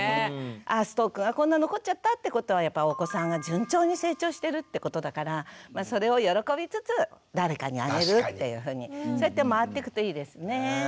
あぁストックがこんな残っちゃったってことはやっぱお子さんが順調に成長してるってことだからそれを喜びつつ誰かにあげるっていうふうにそうやって回ってくといいですね。